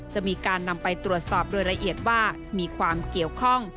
จะมีการนำไปตรวจสอบโดยละเอียดว่ามีความเกี่ยวข้อง